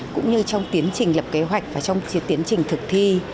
cũng như trong tiến trình lập kế hoạch và trong tiến trình thực thi